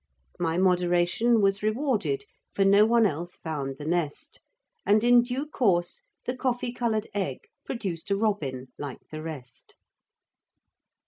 My moderation was rewarded, for no one else found the nest, and in due course the coffee coloured egg produced a robin like the rest.